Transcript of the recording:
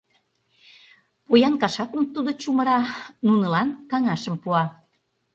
Поян кашакым тудо чумыра, нунылан каҥашым пуа.